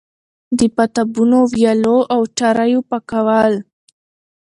د پاتابونو، ويالو او چريو پاکول